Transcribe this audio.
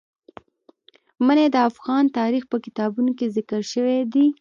منی د افغان تاریخ په کتابونو کې ذکر شوی دي.